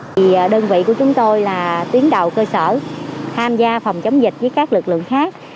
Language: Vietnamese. thì đơn vị của chúng tôi là tuyến đầu cơ sở tham gia phòng chống dịch với các lực lượng khác